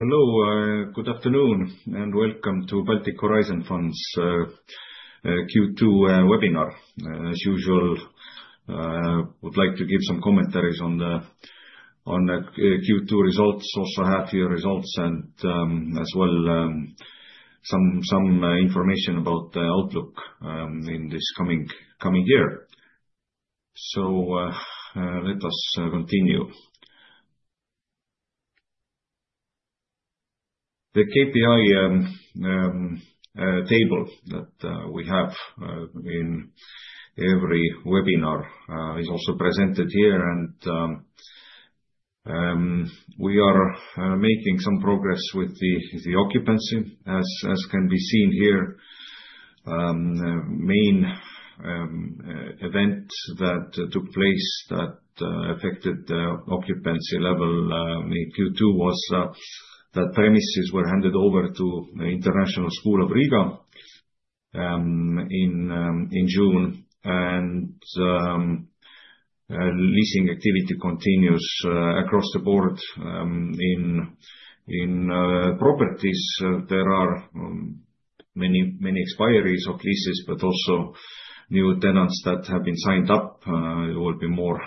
Hello, good afternoon, and welcome to Baltic Horizon Fund's Q2 webinar. As usual, I would like to give some commentaries on the Q2 results, also half-year results, and as well some information about the outlook in this coming year. Let us continue. The KPI table that we have in every webinar is also presented here, and we are making some progress with the occupancy, as can be seen here. The main event that took place that affected the occupancy level in Q2 was that premises were handed over to the International School of Riga in June, and leasing activity continues across the board. In properties, there are many expiries of leases, but also new tenants that have been signed up. There will be more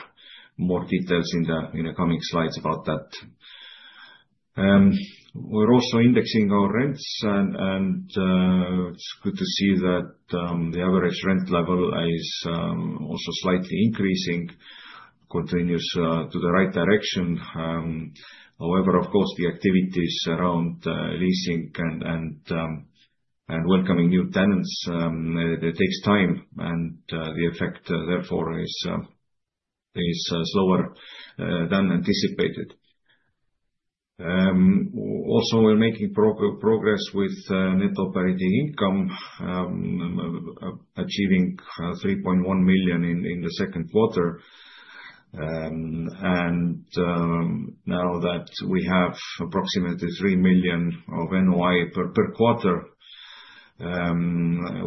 details in the coming slides about that. We're also indexing our rents, and it's good to see that the average rent level is also slightly increasing, continues to the right direction. However, of course, the activities around leasing and welcoming new tenants, it takes time, and the effect therefore is slower than anticipated. Also, we're making progress with net operating income, achieving 3.1 million in the second quarter. And now that we have approximately 3 million of NOI per quarter,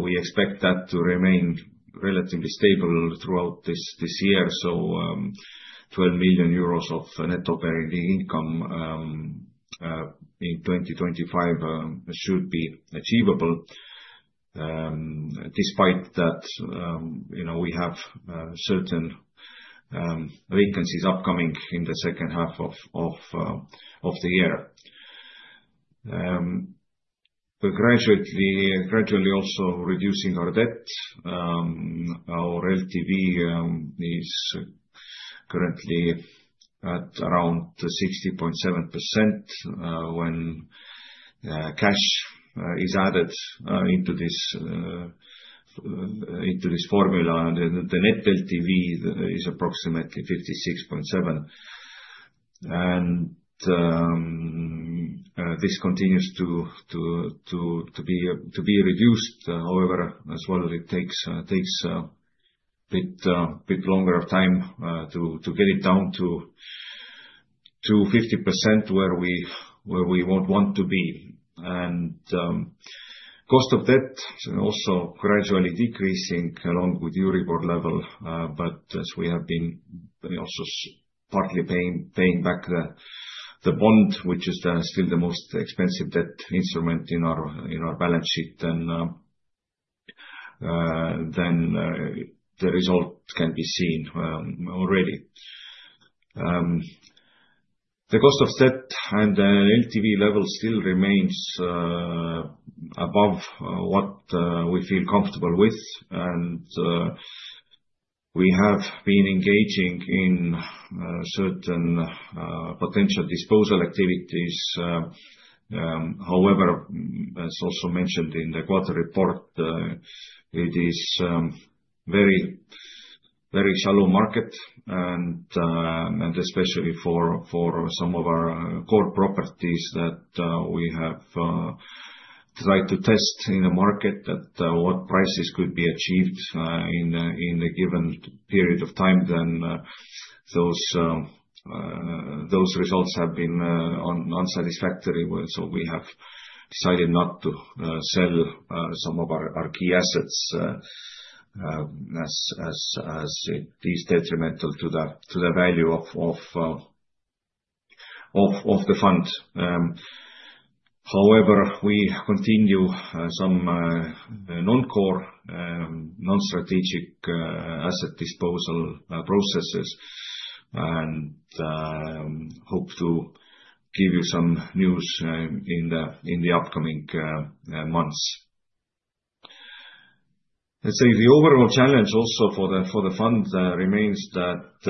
we expect that to remain relatively stable throughout this year. 12 million euros of net operating income in 2025 should be achievable. Despite that, you know, we have certain vacancies upcoming in the second half of the year. We're gradually also reducing our debt. Our LTV is currently at around 60.7%, when cash is added into this formula. The net LTV is approximately 56.7%. This continues to be reduced. However, as well, it takes a bit longer of time to get it down to 50% where we won't want to be. Cost of debt is also gradually decreasing along with Euribor level, but as we have been also partly paying back the bond, which is still the most expensive debt instrument in our balance sheet. Then the result can be seen already. The cost of debt and the LTV level still remains above what we feel comfortable with. We have been engaging in certain potential disposal activities. However, as also mentioned in the quarter report, it is very shallow market. Especially for some of our core properties that we have tried to test in the market that what prices could be achieved in the given period of time. Then those results have been unsatisfactory. So we have decided not to sell some of our key assets, as it is detrimental to the value of the fund. However, we continue some non-core, non-strategic asset disposal processes and hope to give you some news in the upcoming months. Let's say the overall challenge also for the fund remains that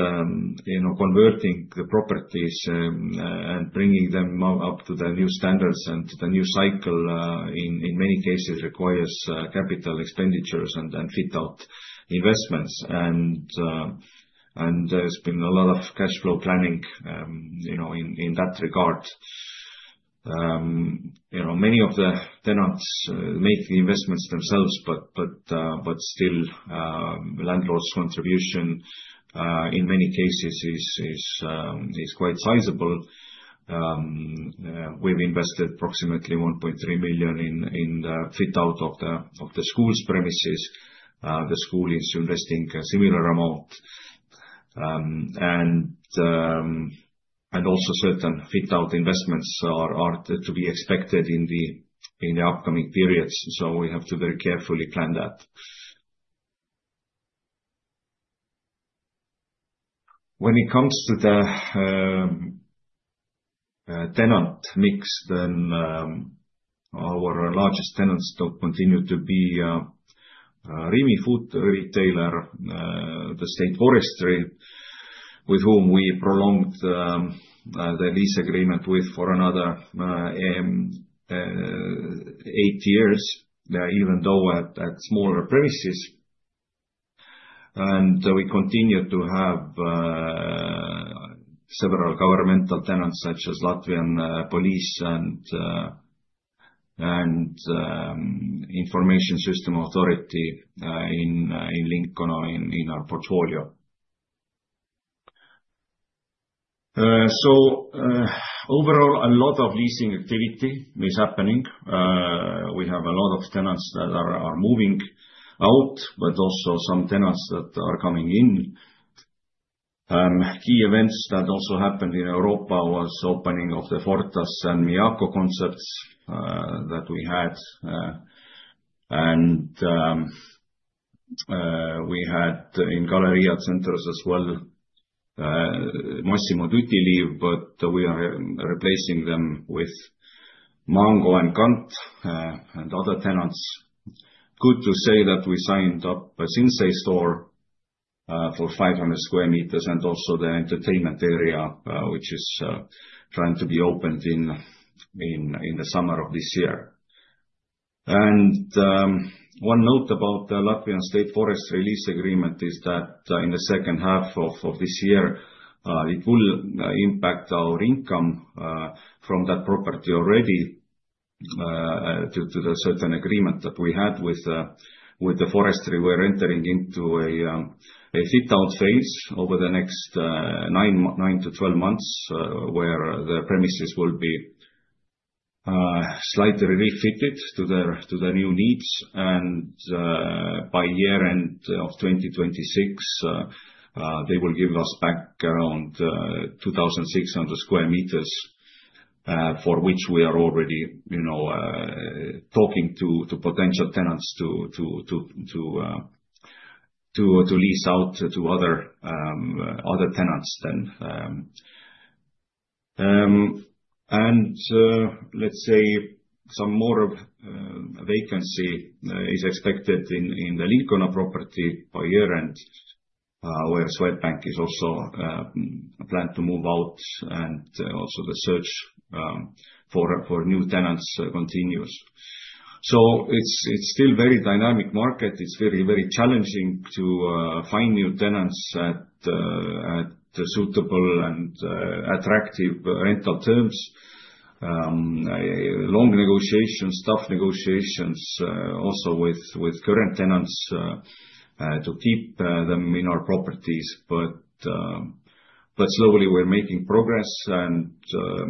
you know, converting the properties and bringing them up to the new standards and to the new cycle in many cases requires capital expenditures and fit-out investments. There's been a lot of cash flow planning, you know, in that regard. You know, many of the tenants make the investments themselves, but still, landlord's contribution in many cases is quite sizable. We've invested approximately 1.3 million in the fit-out of the school's premises. The school is investing a similar amount, and also certain fit-out investments are to be expected in the upcoming periods. So we have to very carefully plan that. When it comes to the tenant mix, then, our largest tenants still continue to be Rimi Baltic, the Latvian State Forests, with whom we prolonged the lease agreement with for another eight years, even though at smaller premises. And we continue to have several governmental tenants such as State Police of Latvia and Information System Authority in Lincona in our portfolio. So, overall, a lot of leasing activity is happening. We have a lot of tenants that are moving out, but also some tenants that are coming in. Key events that also happened in Europa was the opening of the Fortas and Miyako concepts that we had and we had in Galerija Centrs as well, Massimo Dutti leave, but we are replacing them with Mango and GANT, and other tenants. Good to say that we signed up a Sinsay store for 500 sq m and also the entertainment area, which is trying to be opened in the summer of this year. One note about the Latvian State Forests lease agreement is that in the second half of this year it will impact our income from that property already due to the certain agreement that we had with the forestry. We're entering into a fit-out phase over the next 9-12 months, where the premises will be slightly refitted to their new needs. And by year end of 2026, they will give us back around 2,600 sq m, for which we are already you know talking to potential tenants to lease out to other tenants then. And let's say some more vacancy is expected in the Lincona property by year end, where Swedbank is also planned to move out and also the search for new tenants continues. So it's still a very dynamic market. It's very challenging to find new tenants at suitable and attractive rental terms. Long negotiations, tough negotiations, also with current tenants, to keep them in our properties. But slowly we're making progress. Yeah,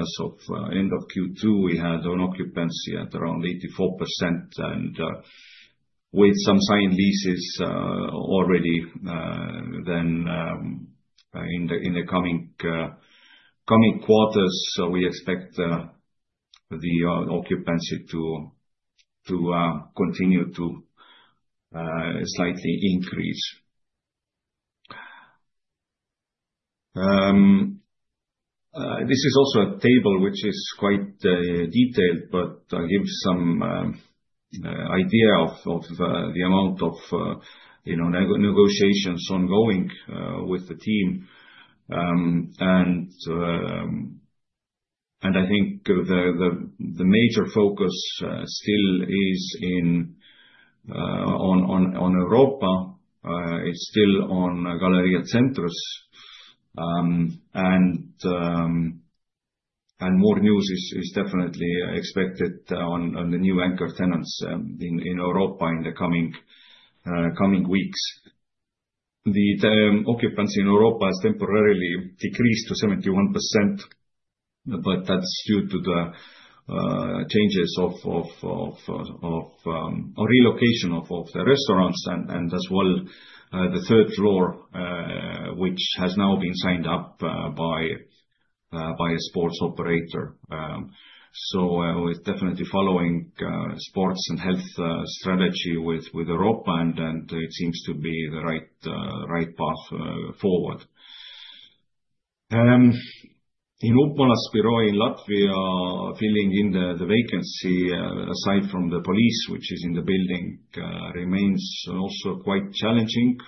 as of the end of Q2, we had an occupancy at around 84%. With some signed leases already, then, in the coming quarters, we expect the occupancy to continue to slightly increase. This is also a table which is quite detailed, but it gives some idea of the amount of, you know, negotiations ongoing with the team. I think the major focus still is on Europa and on Galerija Centrs. More news is definitely expected on the new anchor tenants in Europa in the coming weeks. The occupancy in Europa has temporarily decreased to 71%, but that's due to the changes of relocation of the restaurants and as well the third floor, which has now been signed up by a sports operator. So we're definitely following sports and health strategy with Europa, and it seems to be the right path forward. In Upmalas Biroji, in Latvia, filling in the vacancy aside from the police, which is in the building, remains also quite challenging,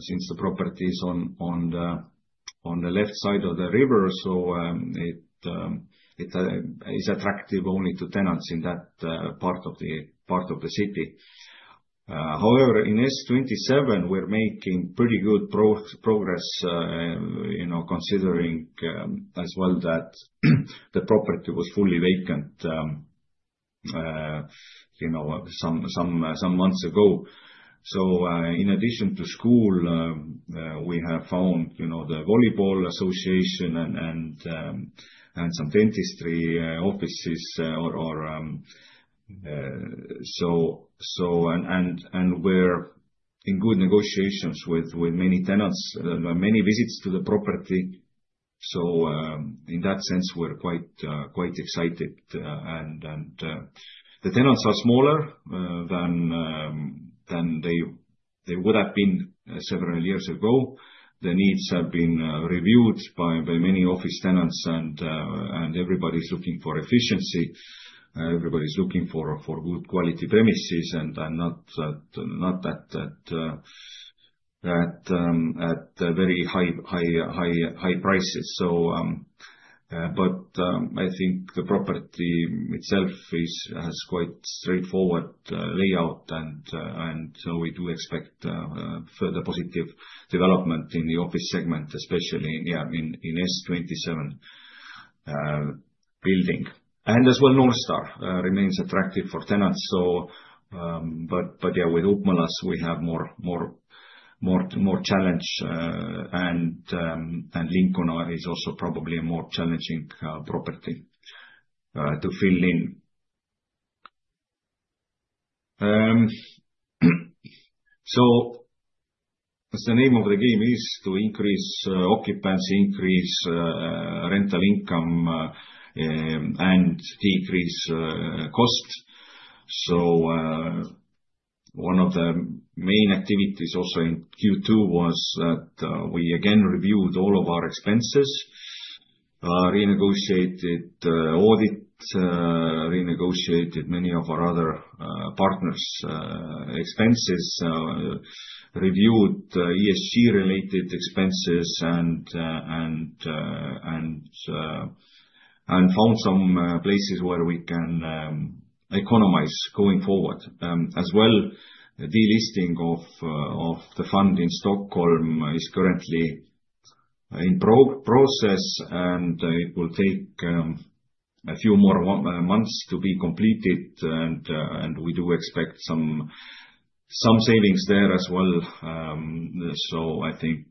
since the property is on the left side of the river. So it is attractive only to tenants in that part of the city. However, in S27, we're making pretty good progress, you know, considering as well that the property was fully vacant, you know, some months ago. In addition to school, we have found, you know, the volleyball association and some dentistry offices or so, and we're in good negotiations with many tenants, many visits to the property. In that sense, we're quite excited. The tenants are smaller than they would have been several years ago. The needs have been reviewed by many office tenants, and everybody's looking for efficiency. Everybody's looking for good quality premises and not that at very high prices. But I think the property itself has quite straightforward layout, and so we do expect further positive development in the office segment, especially in S27 building. North Star remains attractive for tenants. But yeah, with Upmalas, we have more challenge, and Lincona is also probably a more challenging property to fill in. The name of the game is to increase occupancy, increase rental income, and decrease cost. One of the main activities also in Q2 was that we again reviewed all of our expenses, renegotiated audit, renegotiated many of our other partners' expenses, reviewed ESG-related expenses and found some places where we can economize going forward. As well, the delisting of the fund in Stockholm is currently in process, and it will take a few more months to be completed. We do expect some savings there as well. I think,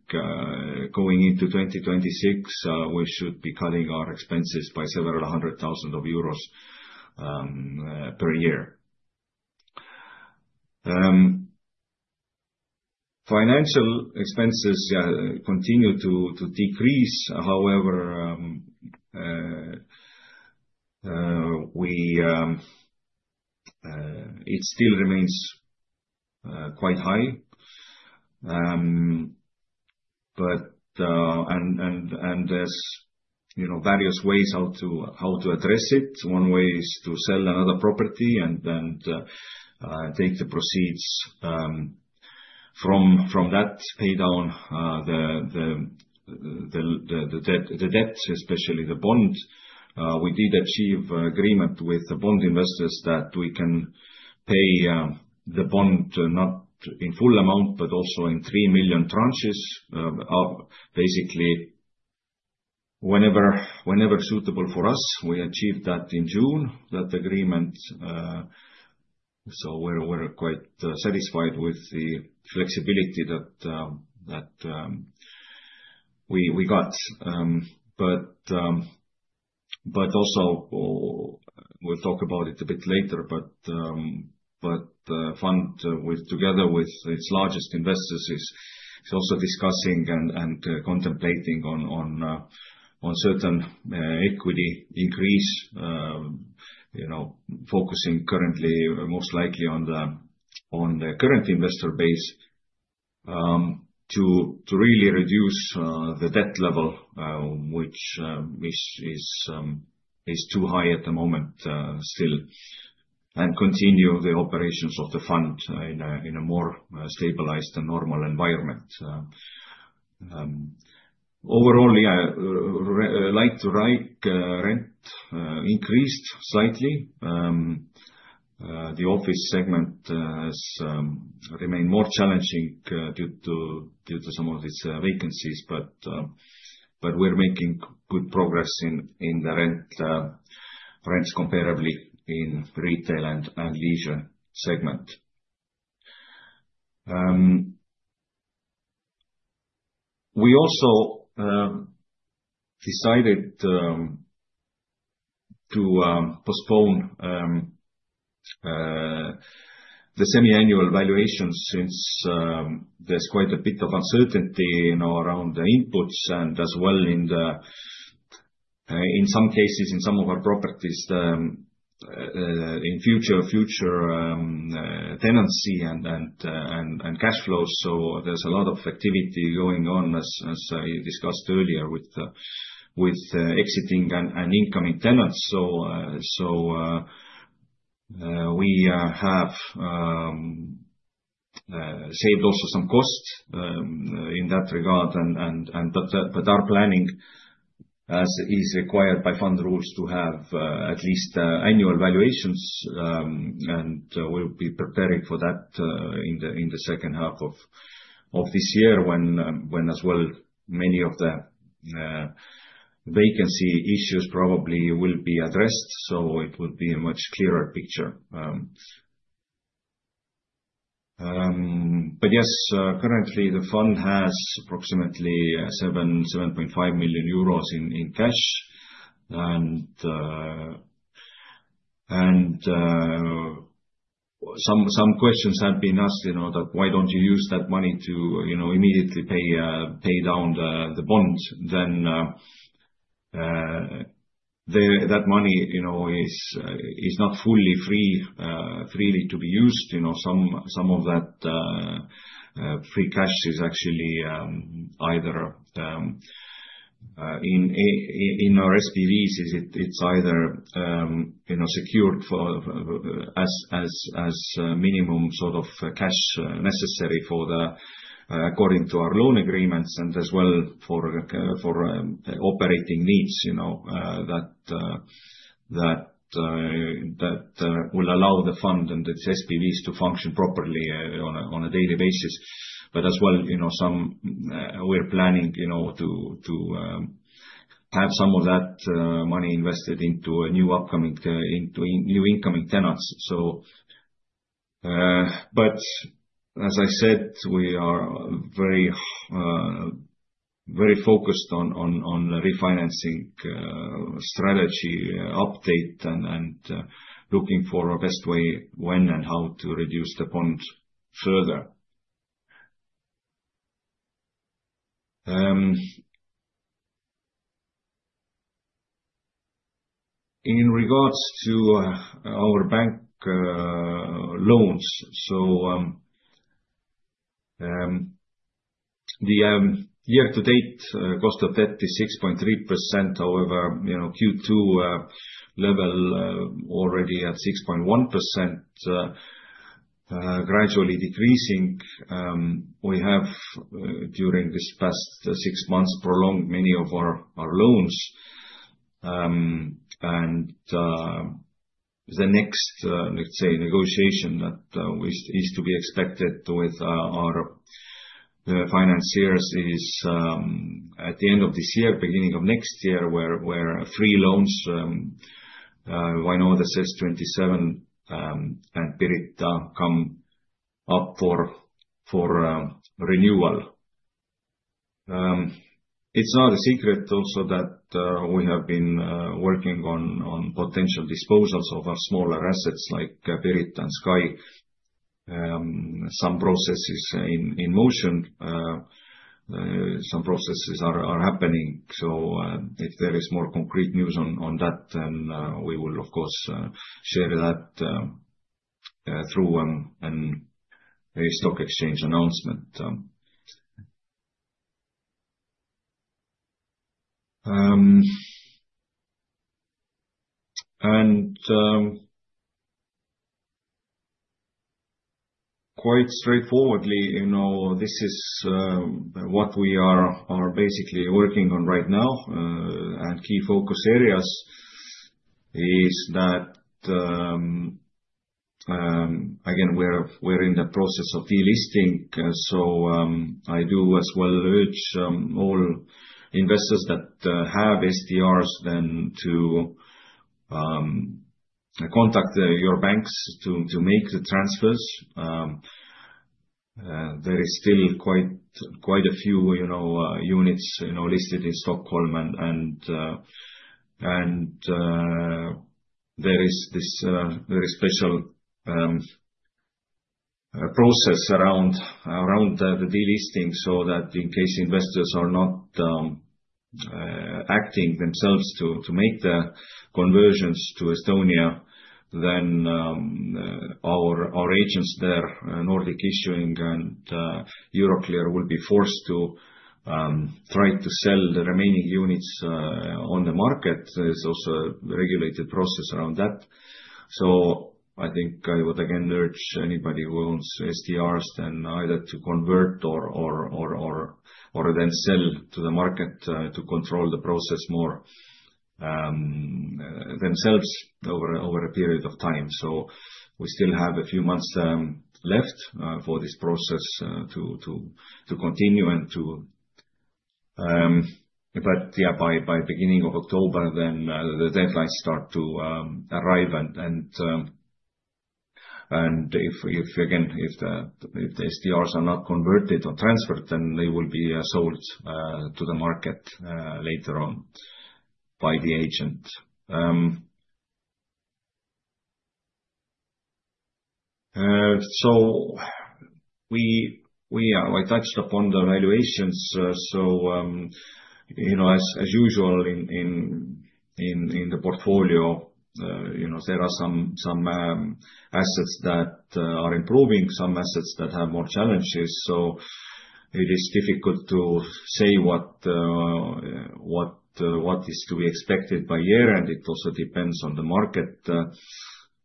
going into 2026, we should be cutting our expenses by several hundred thousand EUR per year. Financial expenses continue to decrease. However, it still remains quite high, but there's, you know, various ways how to address it. One way is to sell another property and take the proceeds from that, pay down the debt, especially the bond. We did achieve an agreement with the bond investors that we can pay the bond not in full amount, but also in 3 million tranches, basically whenever suitable for us. We achieved that in June, that agreement, so we're quite satisfied with the flexibility that we got. But also, we'll talk about it a bit later, but the fund together with its largest investors is also discussing and contemplating on certain equity increase, you know, focusing currently most likely on the current investor base, to really reduce the debt level, which is too high at the moment still, and continue the operations of the fund in a more stabilized and normal environment. Overall, yeah, like to like rent increased slightly. The office segment has remained more challenging due to some of these vacancies, but we're making good progress in the rents comparably in retail and leisure segment. We also decided to postpone the semi-annual valuations since there's quite a bit of uncertainty, you know, around the inputs and as well in some cases in some of our properties, the future tenancy and cash flows. So there's a lot of activity going on as I discussed earlier with exiting and incoming tenants. So we have saved also some cost in that regard and but our planning as is required by fund rules to have at least annual valuations, and we'll be preparing for that in the second half of this year when as well many of the vacancy issues probably will be addressed. So it would be a much clearer picture. But yes, currently the fund has approximately 7 million-7.5 million euros in cash and some questions have been asked, you know, that why don't you use that money to, you know, immediately pay down the bond. Then, that money, you know, is not fully freely to be used, you know, some of that free cash is actually either in our SPVs, is it, it's either, you know, secured for as minimum sort of cash necessary for the according to our loan agreements and as well for operating needs, you know, that will allow the fund and its SPVs to function properly on a daily basis. But as well, you know, we're planning, you know, to have some of that money invested into a new upcoming into new incoming tenants. As I said, we are very focused on refinancing, strategy update and looking for a best way when and how to reduce the bond further. In regards to our bank loans, the year to date cost of debt is 6.3%. However, you know, Q2 level already at 6.1%, gradually decreasing. We have during this past six months prolonged many of our loans. The next, let's say, negotiation that is to be expected with our financiers is at the end of this year, beginning of next year where three loans, the S27 and Pirita come up for renewal. It's not a secret also that we have been working on potential disposals of our smaller assets like Pirita and SKY. Some processes in motion, some processes are happening. So, if there is more concrete news on that, then we will of course share that through a stock exchange announcement. And quite straightforwardly, you know, this is what we are basically working on right now, and key focus areas is that, again, we're in the process of delisting. So, I do as well urge all investors that have SDRs then to contact your banks to make the transfers. There is still quite a few, you know, units, you know, listed in Stockholm and there is this very special process around the delisting. So that in case investors are not acting themselves to make the conversions to Estonia, then our agents there, Nordic Issuing and Euroclear, will be forced to try to sell the remaining units on the market. There's also a regulated process around that. So I think I would again urge anybody who owns SDRs then either to convert or then sell to the market, to control the process more, themselves over a period of time. So we still have a few months left for this process to continue and to, but yeah, by beginning of October, then the deadlines start to arrive and if again if the SDRs are not converted or transferred, then they will be sold to the market later on by the agent. So we are. I touched upon the valuations. So, you know, as usual in the portfolio, you know, there are some assets that are improving, some assets that have more challenges. So it is difficult to say what is to be expected by year and it also depends on the market.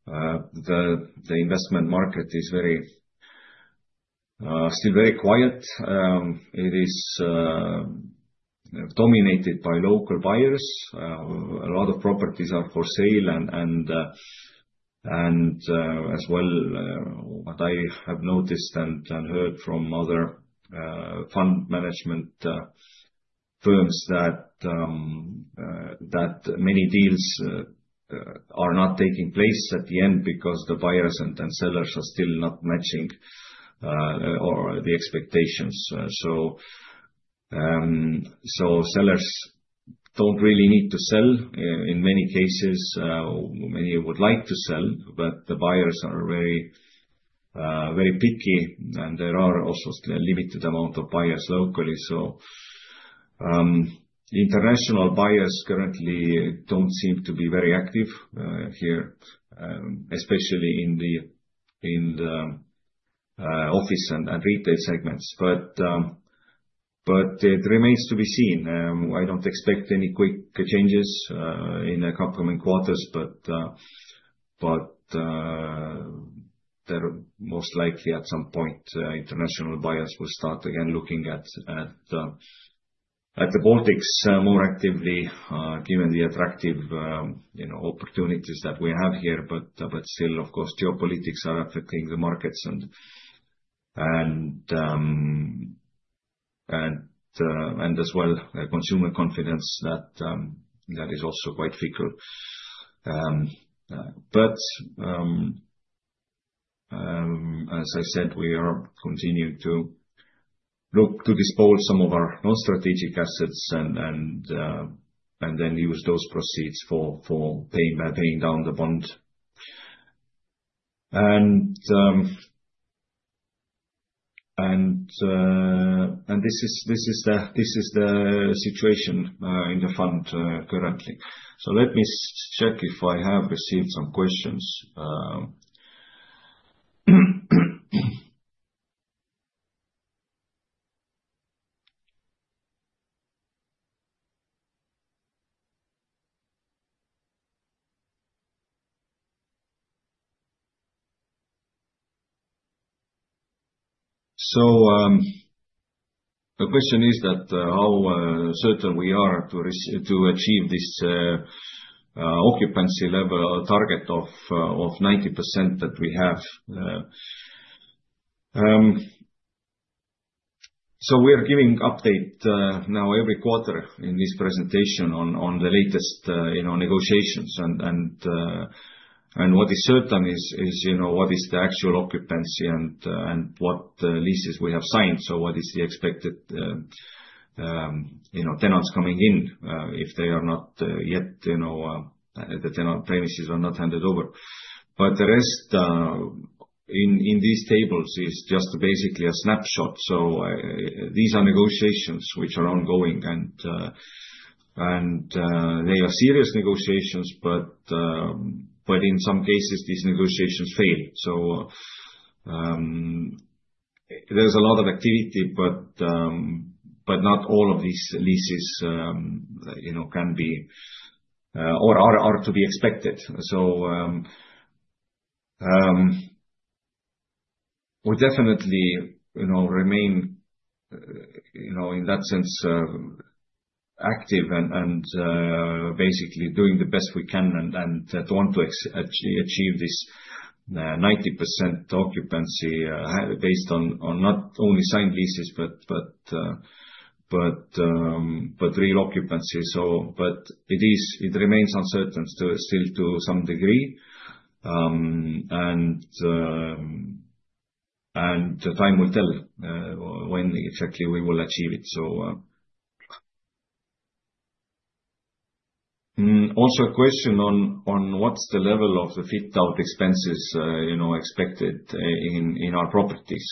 The investment market is still very quiet. It is dominated by local buyers. A lot of properties are for sale and as well what I have noticed and heard from other fund management firms that many deals are not taking place at the end because the buyers and sellers are still not matching or the expectations. Sellers don't really need to sell in many cases. Many would like to sell, but the buyers are very picky and there are also a limited amount of buyers locally. International buyers currently don't seem to be very active here, especially in the office and retail segments. It remains to be seen. I don't expect any quick changes in the upcoming quarters, but there are most likely at some point international buyers will start again looking at the Baltics more actively, given the attractive, you know, opportunities that we have here. But still, of course, geopolitics are affecting the markets and as well consumer confidence that is also quite fickle. But as I said, we are continuing to look to dispose some of our non-strategic assets and then use those proceeds for paying down the bond. And this is the situation in the fund currently. Let me check if I have received some questions. The question is how certain we are to achieve this occupancy level target of 90% that we have. So, we are giving update now every quarter in this presentation on the latest, you know, negotiations and what is certain is, you know, what is the actual occupancy and what the leases we have signed. So what is the expected, you know, tenants coming in, if they are not yet, you know, the tenant premises are not handed over. But the rest in these tables is just basically a snapshot. So, these are negotiations which are ongoing and they are serious negotiations, but in some cases these negotiations fail. So, there is a lot of activity, but not all of these leases, you know, can be, or are to be expected. We definitely, you know, remain, you know, in that sense, active and basically doing the best we can and to want to achieve this 90% occupancy, based on not only signed leases, but real occupancy. It remains uncertain still to some degree, and the time will tell when exactly we will achieve it. Also a question on what's the level of the fit-out expenses, you know, expected in our properties.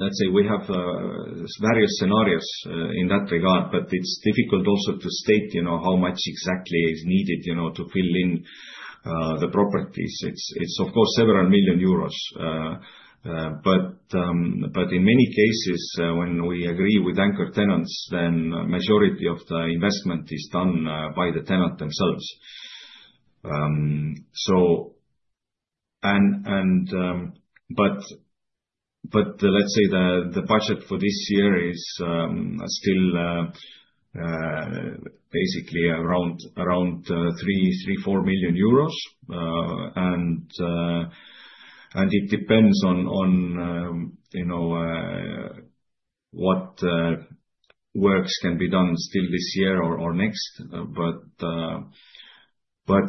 Let's say we have various scenarios in that regard, but it's difficult also to state, you know, how much exactly is needed, you know, to fill in the properties. It's of course several million EUR, but in many cases, when we agree with anchor tenants, then majority of the investment is done by the tenant themselves. Let's say the budget for this year is still basically around 3 million-4 million euros. And it depends on you know what works can be done still this year or next.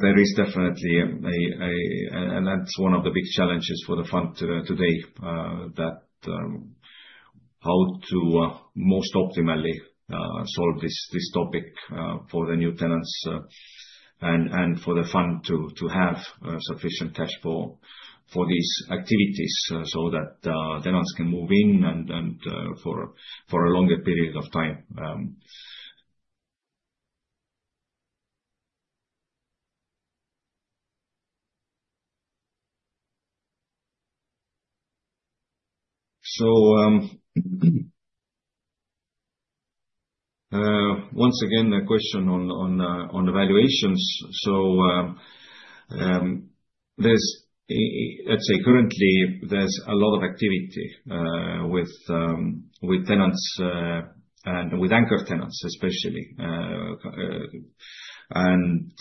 There is definitely, and that's one of the big challenges for the fund today, how to most optimally solve this topic for the new tenants, and for the fund to have sufficient cash flow for these activities so that tenants can move in and for a longer period of time. Once again, a question on valuations. Let's say currently there's a lot of activity with tenants and with anchor tenants especially, and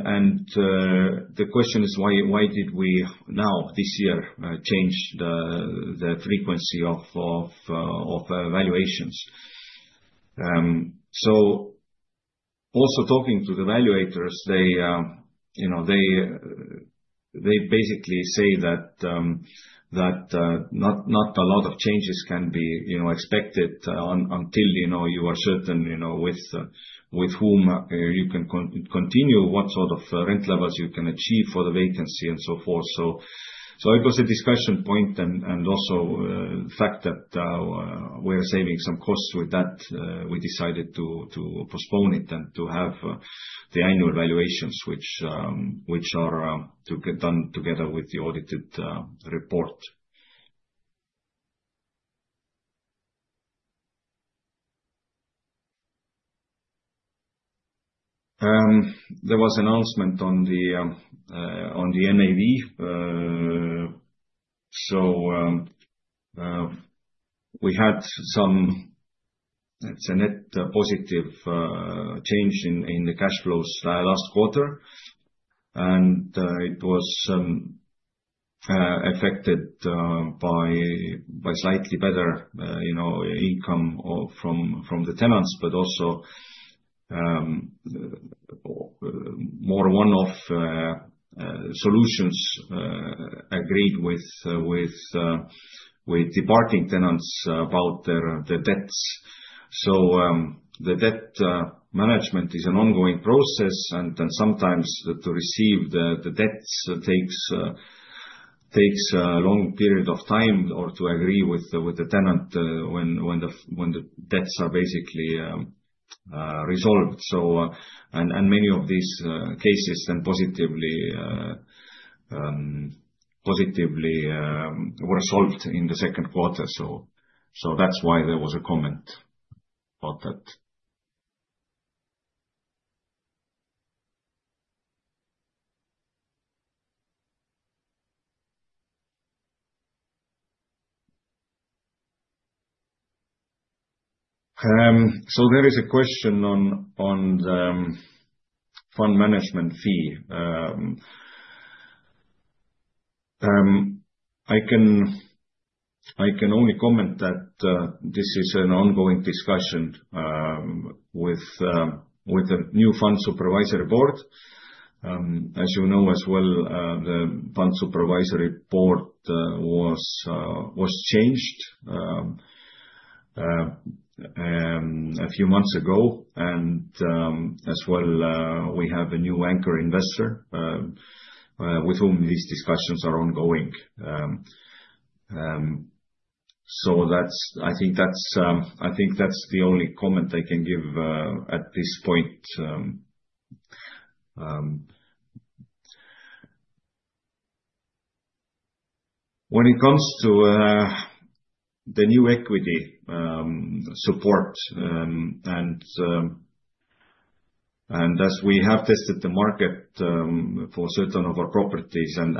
the question is why did we now this year change the frequency of valuations. So also talking to the evaluators, they you know basically say that not a lot of changes can be you know expected until you are certain you know with whom you can continue, what sort of rent levels you can achieve for the vacancy and so forth. So it was a discussion point and also the fact that we're saving some costs with that. We decided to postpone it and to have the annual valuations, which are to get done together with the audited report. There was announcement on the NAV. So we had some. It's a net positive change in the cash flows last quarter. It was affected by slightly better, you know, income from the tenants, but also more one-off solutions agreed with departing tenants about their debts. The debt management is an ongoing process and sometimes to receive the debts takes a long period of time or to agree with the tenant when the debts are basically resolved. Many of these cases then positively were solved in the second quarter. That's why there was a comment about that. There is a question on the fund management fee. I can only comment that this is an ongoing discussion with the new fund supervisory board. As you know as well, the fund supervisory board was changed a few months ago. And, as well, we have a new anchor investor, with whom these discussions are ongoing. So that's, I think that's the only comment I can give at this point. When it comes to the new equity support, and as we have tested the market for certain of our properties and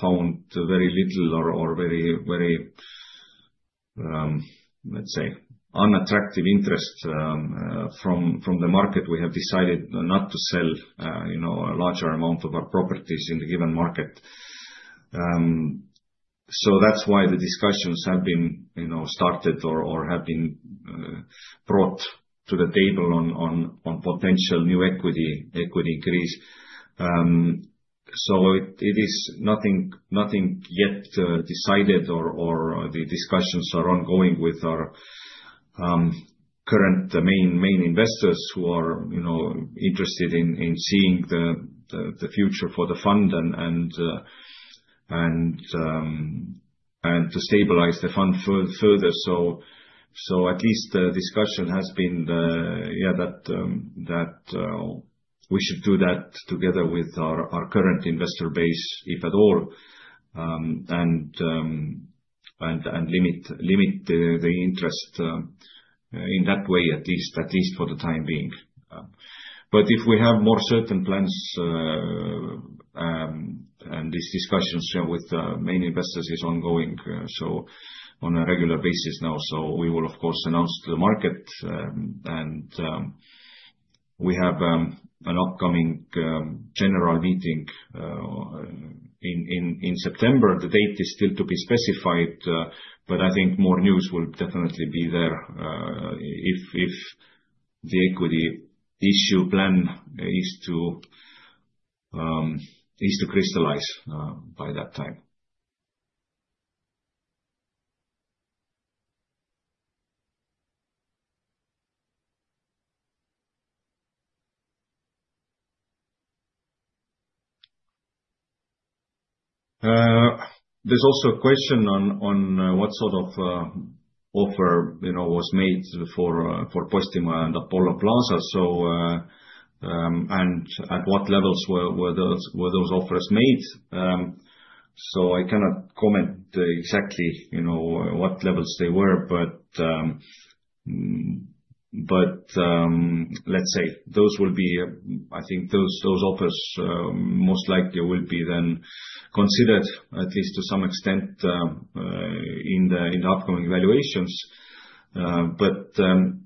found very little or very, very, let's say unattractive interest from the market, we have decided not to sell, you know, a larger amount of our properties in the given market. So that's why the discussions have been, you know, started or have been brought to the table on potential new equity increase. So it is nothing yet decided or the discussions are ongoing with our current main investors who are, you know, interested in seeing the future for the fund and to stabilize the fund further. So at least the discussion has been that we should do that together with our current investor base if at all and limit the interest in that way at least for the time being. But if we have more certain plans, and these discussions with main investors is ongoing, so on a regular basis now. So we will, of course, announce to the market, and we have an upcoming general meeting in September. The date is still to be specified, but I think more news will definitely be there, if the equity issue plan is to crystallize by that time. There's also a question on what sort of offer, you know, was made for Postimaja and Apollo Plaza. So, and at what levels were those offers made? So I cannot comment exactly, you know, what levels they were, but let's say those will be, I think those offers, most likely will be then considered at least to some extent, in the upcoming evaluations. But,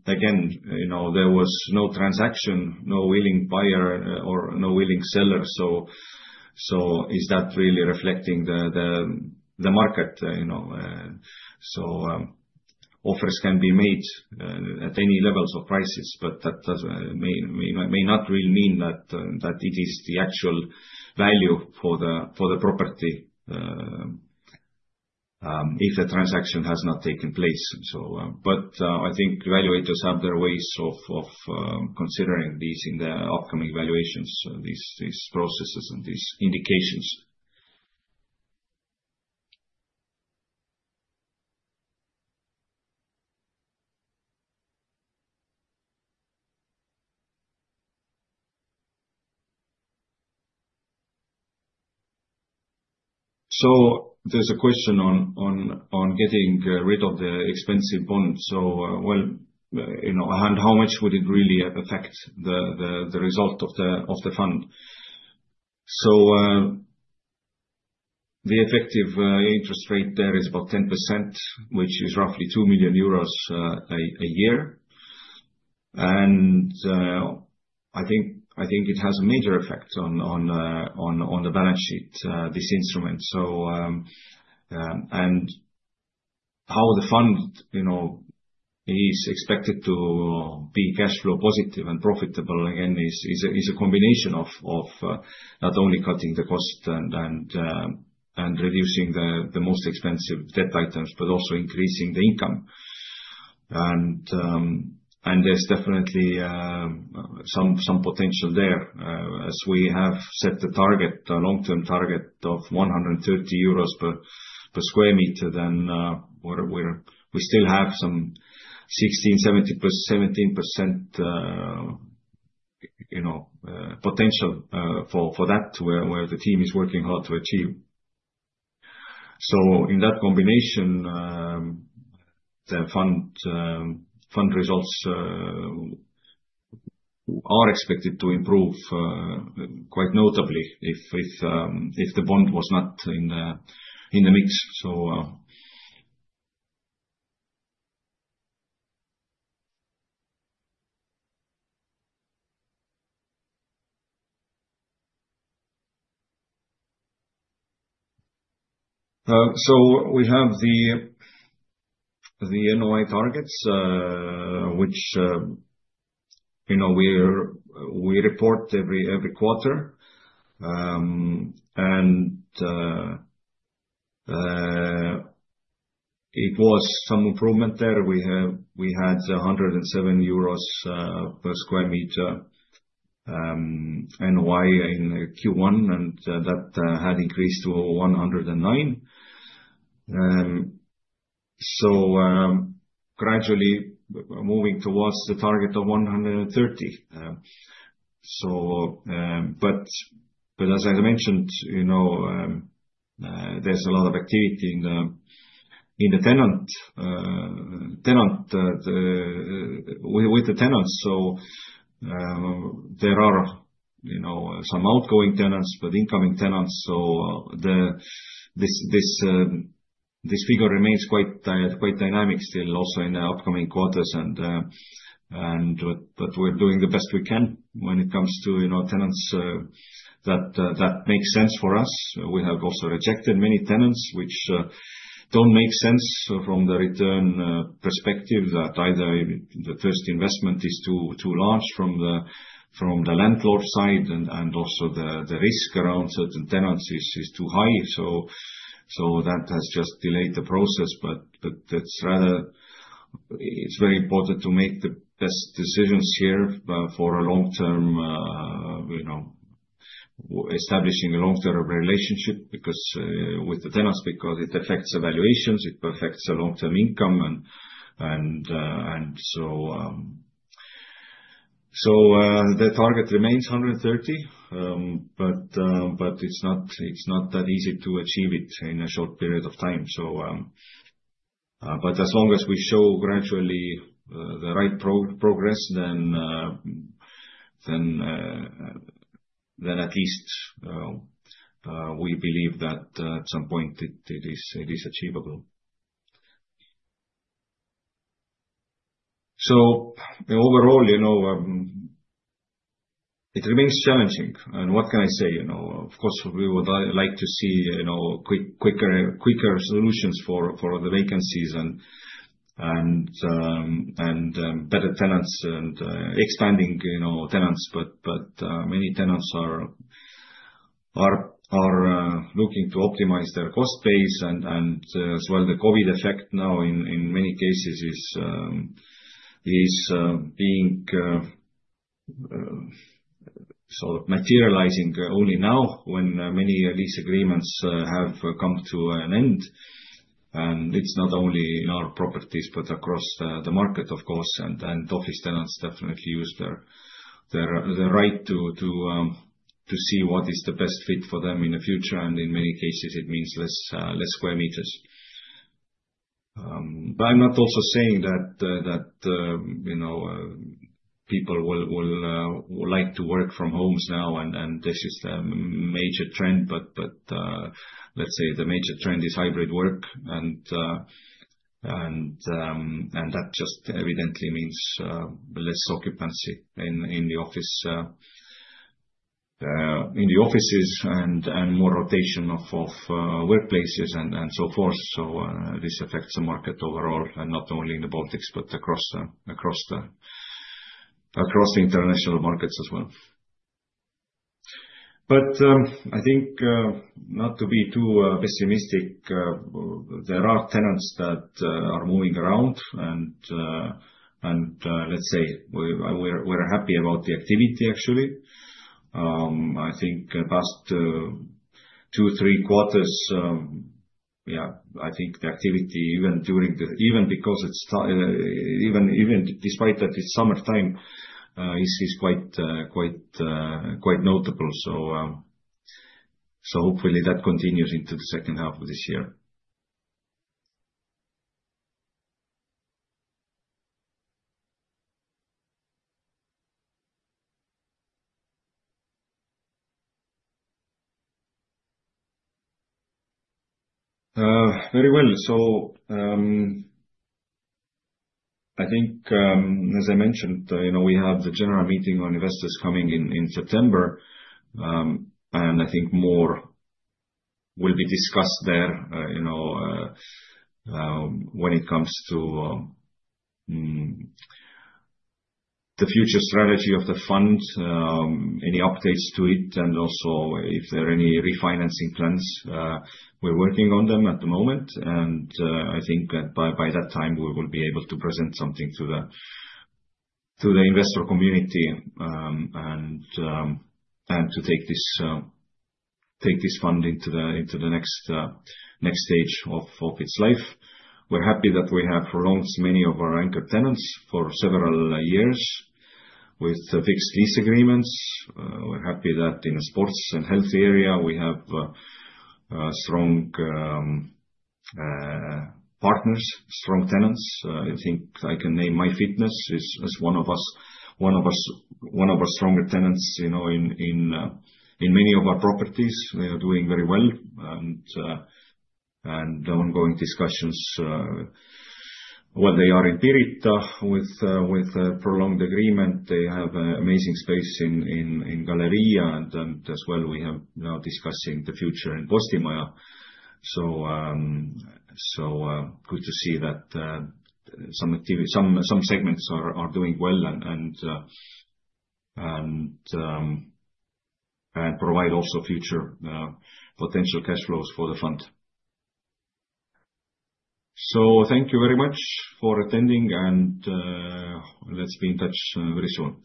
again, you know, there was no transaction, no willing buyer or no willing seller. So is that really reflecting the market, you know? Offers can be made at any levels of prices, but that may not really mean that it is the actual value for the property, if the transaction has not taken place. I think evaluators have their ways of considering these in the upcoming evaluations, these processes and these indications. There's a question on getting rid of the expensive bond. Well, you know, and how much would it really affect the result of the fund? The effective interest rate there is about 10%, which is roughly 2 million euros a year. I think it has a major effect on the balance sheet, this instrument. So, how the fund, you know, is expected to be cash flow positive and profitable again is a combination of not only cutting the cost and reducing the most expensive debt items, but also increasing the income. And there's definitely some potential there, as we have set the target, the long-term target of EUR 130 per sq m. Then, we still have some 16%-17%, you know, potential for that where the team is working hard to achieve. So in that combination, the fund results are expected to improve quite notably if the bond was not in the mix. So, we have the NOI targets, which, you know, we report every quarter, and it was some improvement there. We had 107 euros per sq m NOI in Q1, and that had increased to 109, so gradually moving towards the target of EUR 130. But as I mentioned, you know, there's a lot of activity with the tenants. So there are, you know, some outgoing tenants, but incoming tenants. This figure remains quite dynamic still also in the upcoming quarters. But we're doing the best we can when it comes to, you know, tenants that make sense for us. We have also rejected many tenants which don't make sense from the return perspective that either the first investment is too large from the landlord side and also the risk around certain tenants is too high. So that has just delayed the process. It's very important to make the best decisions here for a long-term, you know, establishing a long-term relationship because with the tenants, because it affects valuations, it affects a long-term income and so the target remains 130, but it's not that easy to achieve it in a short period of time. As long as we show gradually the right progress, then at least we believe that at some point it is achievable. Overall, you know, it remains challenging. What can I say? You know, of course, we would like to see, you know, quicker solutions for the vacancies and better tenants and expanding, you know, tenants. Many tenants are looking to optimize their cost base and as well the COVID effect now in many cases is being sort of materializing only now when many lease agreements have come to an end. It's not only in our properties, but across the market, of course. Office tenants definitely use their right to see what is the best fit for them in the future. In many cases, it means less square meters. I'm not also saying that, you know, people will like to work from homes now and this is the major trend. But let's say the major trend is hybrid work and that just evidently means less occupancy in the offices and more rotation of workplaces and so forth. So this affects the market overall and not only in the Baltics, but across the international markets as well. But I think, not to be too pessimistic, there are tenants that are moving around and let's say we're happy about the activity, actually. I think past two, three quarters, yeah, I think the activity even despite that it's summertime is quite notable. So hopefully that continues into the second half of this year. Very well. So I think, as I mentioned, you know, we have the general meeting on investors coming in in September. And I think more will be discussed there, you know, when it comes to the future strategy of the fund, any updates to it and also if there are any refinancing plans. We're working on them at the moment. I think that by that time we will be able to present something to the investor community, and to take this fund into the next stage of its life. We're happy that we have prolonged many of our anchor tenants for several years with fixed lease agreements. We're happy that in the sports and health area, we have strong partners, strong tenants. I think I can name MyFitness as one of our stronger tenants, you know, in many of our properties. They are doing very well and ongoing discussions, while they are in Pirita with prolonged agreement. They have an amazing space in Galerija and as well we have now discussing the future in Postimaja. So good to see that some activity, some segments are doing well and provide also future potential cash flows for the fund. So thank you very much for attending and let's be in touch very soon.